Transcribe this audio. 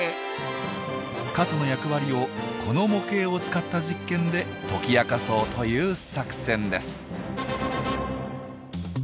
傘の役割をこの模型を使った実験で解き明かそうという作戦です。